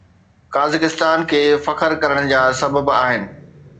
قزاقستان کي فخر ڪرڻ جا سبب آهن